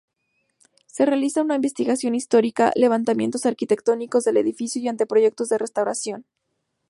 Se realizan una investigación histórica, levantamientos arquitectónicos del edificio y anteproyectos de restauración.